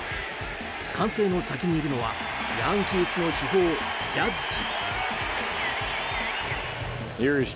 歓声の先にいるのはヤンキースの主砲、ジャッジ。